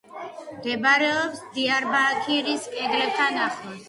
მდებარეობს დიარბაქირის კედლებთან ახლოს.